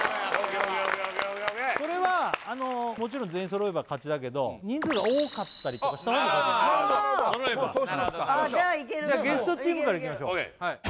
これはもちろん全員揃えば勝ちだけど人数が多かったりとかした方も勝ちそうしますかじゃあいけるゲストチームからいきましょうＯＫ